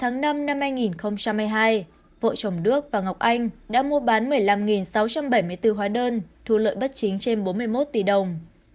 ngày năm hai nghìn hai mươi hai vợ chồng đức và ngọc anh đã mua bán một mươi năm sáu trăm bảy mươi bốn hóa đơn thu lợi bất chính trên bốn mươi một tỷ đồng